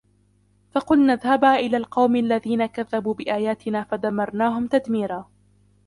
فَقُلْنَا اذْهَبَا إِلَى الْقَوْمِ الَّذِينَ كَذَّبُوا بِآيَاتِنَا فَدَمَّرْنَاهُمْ تَدْمِيرًا